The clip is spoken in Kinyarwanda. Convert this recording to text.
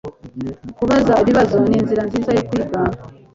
Kubaza ibibazo ninzira nziza yo kwiga.